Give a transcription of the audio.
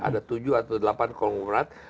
ada tujuh atau delapan konglomerat